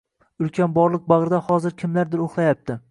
Ulkan borliq bagʻrida hozir kimlardir uxlayapti